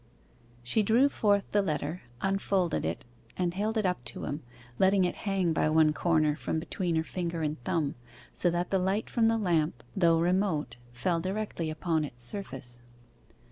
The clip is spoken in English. She drew forth the letter, unfolded it, and held it up to him, letting it hang by one corner from between her finger and thumb, so that the light from the lamp, though remote, fell directly upon its surface.